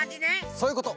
そういうこと！